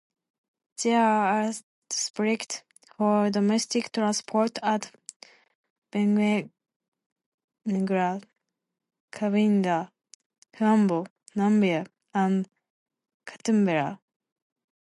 There are airstrips for domestic transport at Benguela, Cabinda, Huambo, Namibe, and Catumbela.